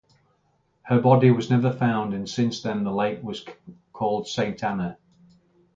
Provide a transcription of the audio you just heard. Her body was never found and since then the lake was called Saint Ana.